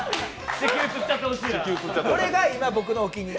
これが今のお気に入り。